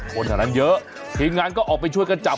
คนแถวนั้นเยอะทีมงานก็ออกไปช่วยกันจับ